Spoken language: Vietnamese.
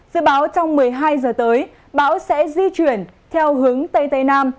dự báo trong một mươi hai giờ tới bão sẽ di chuyển theo hướng tây tây nam